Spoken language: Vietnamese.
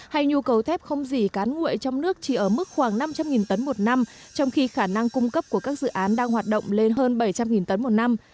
hay nhu cầu thép không dì cán nguội trong nước chỉ ở mức khoảng năm trăm linh tấn một năm trong khi khả năng cung cấp của các dự án đang hoạt động lên hơn bảy trăm linh tấn một năm